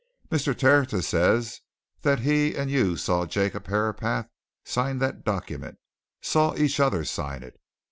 "Mr. Tertius says that he and you saw Jacob Herapath sign that document, saw each other sign it!